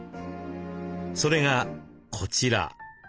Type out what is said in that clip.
それがこちら。